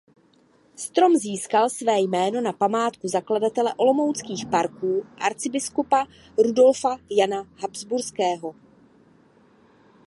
Strom získal své jméno na památku zakladatele olomouckých parků arcibiskupa Rudolfa Jana Habsburského.